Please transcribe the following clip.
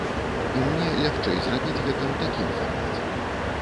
І мне лягчэй зрабіць гэта ў такім фармаце.